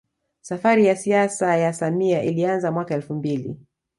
Safari ya siasa ya samia ilianza mwaka elfu mbili